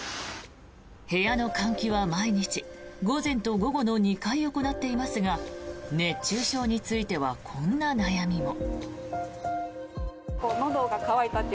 部屋の換気は毎日午前と午後の２回行っていますが熱中症についてはこんな悩みも。